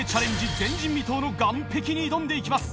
前人未到の岩壁に挑んで行きます。